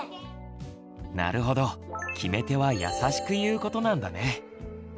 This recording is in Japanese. なるほど決め手は「優しく言う」ことなんだね。